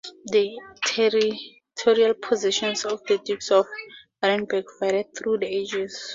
The territorial possessions of the dukes of Arenberg varied through the ages.